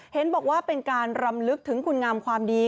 เห็นบอกว่าเป็นการรำลึกถึงคุณงามความดี